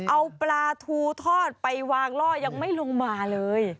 เอาปลาทูทอดไปวางล่อยังไม่ลงมาเลย